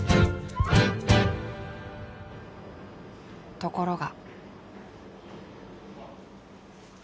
ところが。